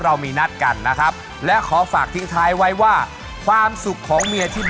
และแน่นอนนะครับเราจะกลับมาสรุปกันต่อนะครับกับรายการสุขที่รักของเรานะครับ